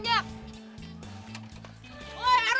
eh bukain rul